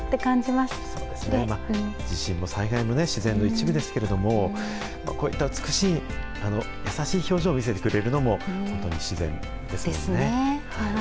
地震も災害も自然の一部ですけれども、こういった美しい、優しい表情を見せてくれるのも、本当に自然ですよね。